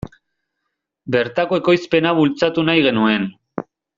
Bertako ekoizpena bultzatu nahi genuen.